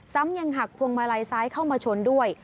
ยังหักพวงมาลัยซ้ายเข้ามาชนด้วย